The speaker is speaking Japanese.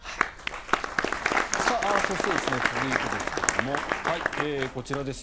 そして、続いてですがこちらです。